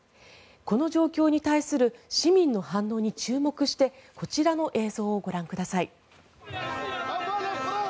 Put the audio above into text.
この状況に対する市民の反応に注目してこちらの映像をご覧ください。